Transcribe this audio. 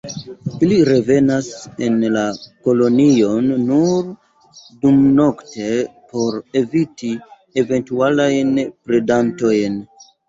Ili revenas en la kolonion nur dumnokte por eviti eventualajn predantojn.